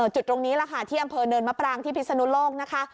จุดตรงนี้แหละค่ะที่อำเภอเนินมะปรางที่พิศนุโลกนะคะ